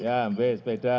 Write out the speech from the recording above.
ya ambil sepeda